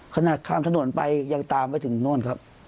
ขนาดข้ามถนนไปยังตามไปถึงโน่นครับ